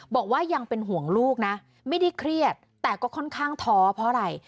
บอกว่ายังเป็นห่วงลูกนะไม่ได้เครียดแต่ก็ค่อนข้างท้อเพราะอะไร